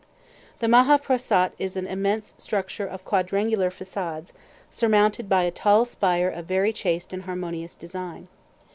The Maha Phrasat is an immense structure of quadrangular façades, surmounted by a tall spire of very chaste and harmonious design.